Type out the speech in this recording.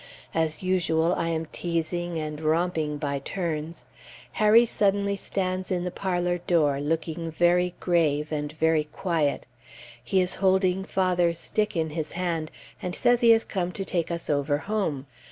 As usual, I am teasing and romping by turns. Harry suddenly stands in the parlor door, looking very grave, and very quiet. He is holding father's stick in his hand, and says he has come to take us over home.